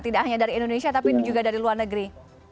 tidak hanya dari indonesia tapi juga dari luar negeri